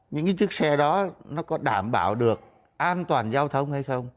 những chiếc xe đó có đảm bảo được an toàn giao thông hay không